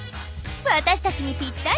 私たちにぴったり！